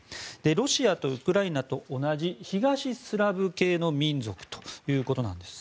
ロシアとウクライナと同じ東スラブ系の民族ということです。